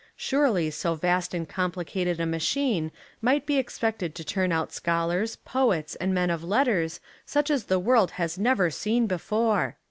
Surely so vast and complicated a machine might be expected to turn out scholars, poets, and men of letters such as the world has never seen before.